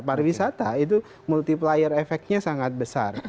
pariwisata itu multiplier efeknya sangat besar